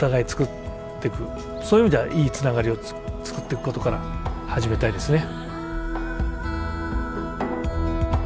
そういう意味ではいいつながりをつくっていくことから始めたいですね。